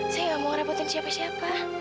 saya gak mau ngerepotin siapa siapa